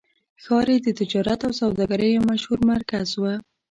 ښار یې د تجارت او سوداګرۍ یو مشهور مرکز و.